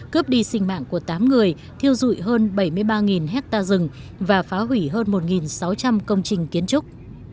cướp đi sinh mạng của tám người thiêu dụi hơn bảy mươi ba hectare rừng và phá hủy hơn một sáu trăm linh công trình kiến trúc